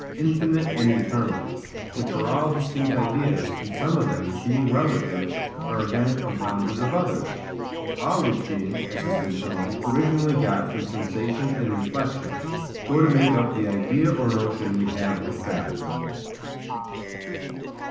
infinite and eternal: which are all distinct ideas, and some of them, being relative, are again compounded of others: all which being, as has been shown, originally got from sensation and reflection, go to make up the idea or notion we have of God.